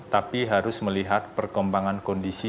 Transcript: tapi harus melihat perkembangan kondisi